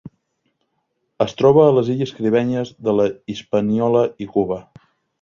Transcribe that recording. Es troba a les illes caribenyes de la Hispaniola i Cuba.